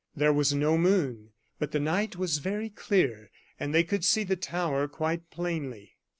There was no moon; but the night was very clear, and they could see the tower quite plainly.